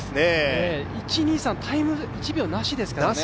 １、２、３はタイムで１秒差なしですからね。